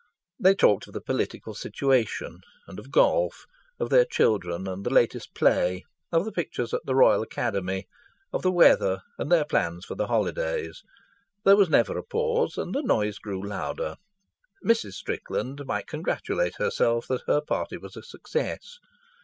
They talked of the political situation and of golf, of their children and the latest play, of the pictures at the Royal Academy, of the weather and their plans for the holidays. There was never a pause, and the noise grew louder. Mrs. Strickland might congratulate herself that her party was a success.